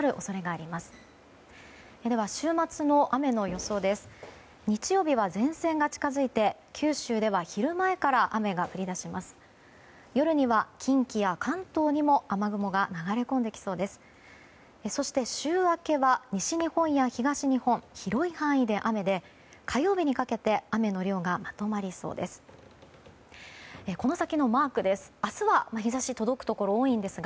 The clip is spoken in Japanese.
そして週明けは西日本や東日本の広い範囲で雨で火曜日にかけて雨の量がまとまりそうです。